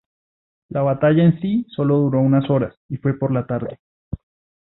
La batalla en sí sólo duró unas horas y fue por la tarde.